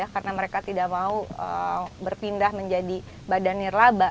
karena mereka tidak mau berpindah menjadi badan nirlaba